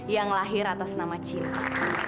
yang lahir atas nama cinta